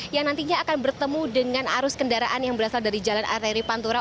yang nantinya akan bertemu dengan arus kendaraan yang berasal dari jalan arteri pantura